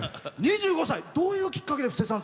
２５歳、どういうきっかけで布施さん